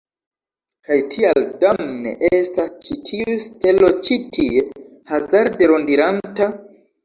Kaj kial damne estas ĉi tiu stelo ĉi tie, hazarde rondiranta?